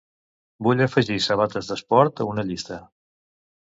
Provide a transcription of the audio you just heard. Vull afegir sabates d'esport a una llista.